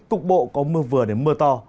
cục bộ có mưa vừa đến mưa to